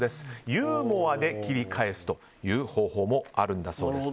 ユーモアで切り返すという方法もあるそうです。